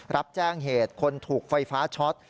รับแจ้งเหตุคนถูกไฟฟ้าช็อต